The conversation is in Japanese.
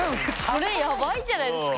これやばいんじゃないですか？